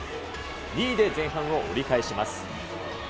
２位で前半を折り返します。